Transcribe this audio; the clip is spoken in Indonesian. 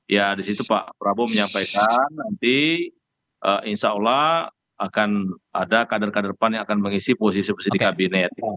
ya di situ pak prabowo menyampaikan nanti insya allah akan ada kader kader pan yang akan mengisi posisi posisi di kabinet